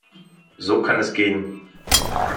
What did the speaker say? So kann es gehen.